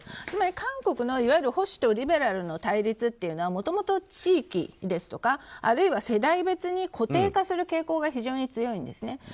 つまり、韓国の保守とリベラルの対決というのはもともと地域ですとかあるいは世代別に固定化する傾向が非常に強いんですね。